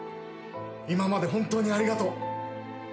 今まで本当にありがとう。